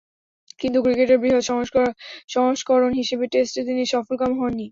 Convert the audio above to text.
কিন্তু ক্রিকেটের বৃহৎ সংস্করণ হিসেবে টেস্টে তিনি সফলকাম হননি।